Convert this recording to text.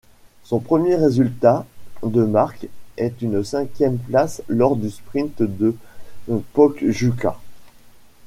Son premier résultat de marque est une cinquième place lors du sprint de Pokljuka.